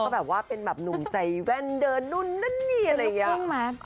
แล้วก็เป็นแบบหนุงใส่แว่นเดินนู้นนานนี่อะไรอย่างนี้